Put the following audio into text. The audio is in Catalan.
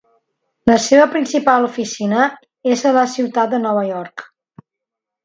La seva principal oficina és a la ciutat de Nova York.